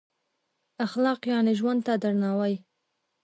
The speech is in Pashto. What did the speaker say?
اخلاق یعنې ژوند ته درناوی.